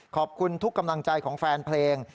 ขอบคุณทุกกำลังใจของแฟนเพลง